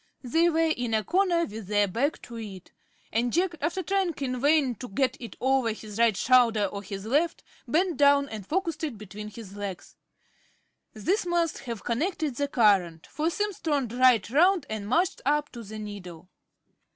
They were in a corner with their back to it; and Jack, after trying in vain to get it over his right shoulder or his left, bent down and focussed it between his legs. This must have connected the current; for Simms turned right round and marched up to the needle.